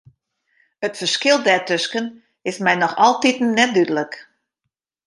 It ferskil dêrtusken is my noch altiten net dúdlik.